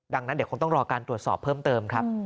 ดังนั้นเดี๋ยวคงต้องรอการตรวจสอบเพิ่มเติมครับ